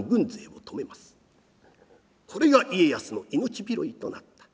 これが家康の命拾いとなった。